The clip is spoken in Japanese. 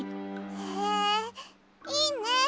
へえいいね！